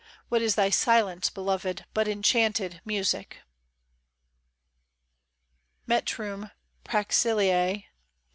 What is thy silence. Beloved, but enchanted music I 53 METRUM PRAXILLAE.